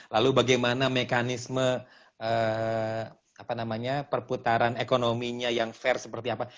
lalu bagaimana mekanisme perputaran ekonominya yang fair seperti apa